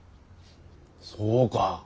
そうか。